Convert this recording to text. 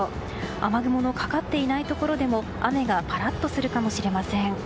雨雲のかかっていないところでも雨がパラッとするかもしれません。